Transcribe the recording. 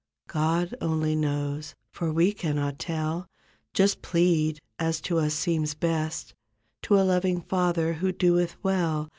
God only knows, for we cannot tell. Just plead as to us seems best To a loving Father, who doeth well.